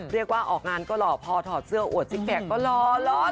เรียกว่าออกงานก็หล่อพอถอดเสื้อโหวชไซคแต็กก็หลอเลย